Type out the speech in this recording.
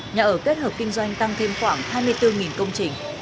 nhà ở kết hợp kinh doanh tăng thêm khoảng hai mươi bốn công trình